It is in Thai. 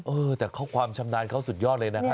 เออแต่ข้อความชำนาญเขาสุดยอดเลยนะครับ